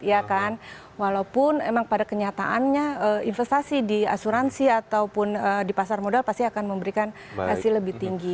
ya kan walaupun emang pada kenyataannya investasi di asuransi ataupun di pasar modal pasti akan memberikan hasil lebih tinggi